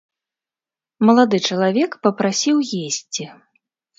Малады чалавек папрасіў есці.